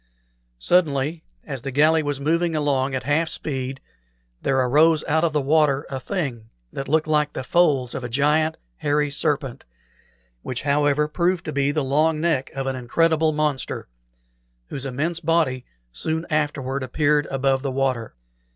Suddenly, as the galley was moving along at half speed, there arose out of the water a thing that looked like the folds of a giant hairy serpent, which, however, proved to be the long neck of an incredible monster, whose immense body soon afterward appeared above the water.